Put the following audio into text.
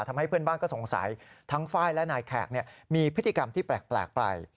ทำให้เพื่อนบ้านก็สงสัยทั้งไฟล์และนายแขกมีพฤติกรรมที่แปลกไป